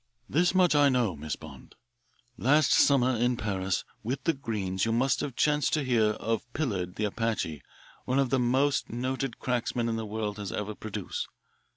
"This much I know, Miss Bond. Last summer in Paris with the Greenes you must have chanced to hear, of Pillard, the Apache, one of the most noted cracksmen the world has ever produced.